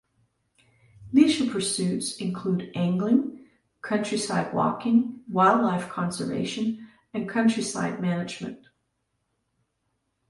Leisure pursuits include angling, countryside walking, wildlife conservation and countryside management.